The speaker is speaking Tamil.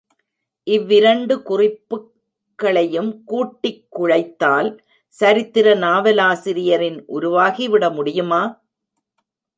இவ்விரண்டு குறிப்புக்களையும் கூட்டிக் குழைத்தால், சரித்திர நாவலாசிரியன் உருவாகிவிட முடியுமா?